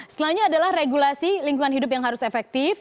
selanjutnya adalah regulasi lingkungan hidup yang harus efektif